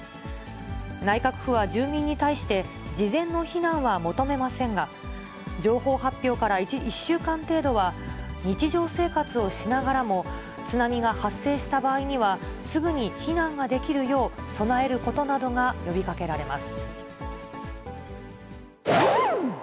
内閣府は住民に対して、事前の避難は求めませんが、情報発表から１週間程度は、日常生活をしながらも津波が発生した場合には、すぐに避難ができるよう、備えることなどが呼びかけられます。